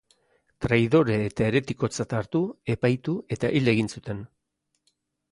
Traidore eta heretikotzat hartu, epaitu eta hil egin zuten.